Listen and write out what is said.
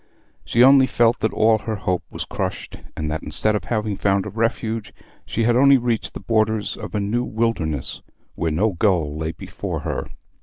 She only felt that all her hope was crushed, and that instead of having found a refuge she had only reached the borders of a new wilderness where no goal lay before her.